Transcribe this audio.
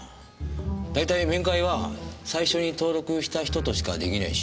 だいたい面会は最初に登録した人としかできないし。